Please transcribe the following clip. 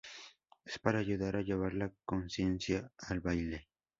Es para ayudar a llevar la conciencia al baile.